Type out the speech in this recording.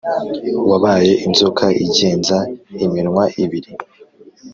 wabaye inzoka igenza iminwa ibiri,